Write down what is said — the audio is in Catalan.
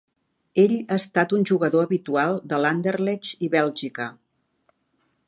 Ell ha estat un jugador habitual de l'Anderlecht i Bèlgica.